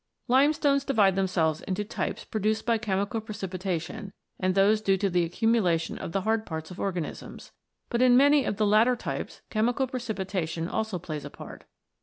Limestones divide themselves into types produced by chemical precipitation and those due to the accumulation of the hard parts of organisms ; but in many of the latter types chemical precipitation also plays a part.